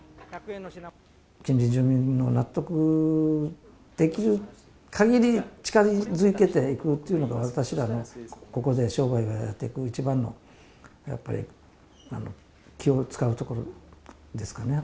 近隣住民の納得できるかぎり、近づけていくっていうのが、私らがここで商売やっていく、一番のやっぱり気を遣うところですかね。